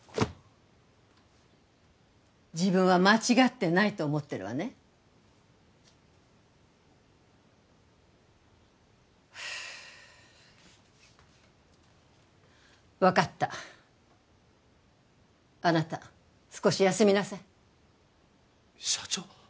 自分は間違ってないと思ってるわね分かったあなた少し休みなさい社長？